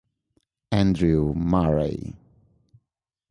Andrew Murray